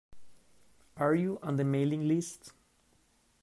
Are you on the mailing list?